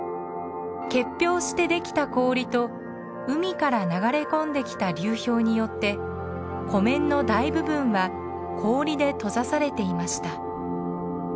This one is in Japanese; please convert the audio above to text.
結氷してできた氷と海から流れ込んできた流氷によって湖面の大部分は氷で閉ざされていました。